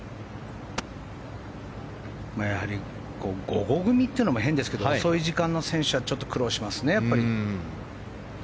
やはり午後組というのも変ですけど遅い時間の選手はちょっと苦労しますね。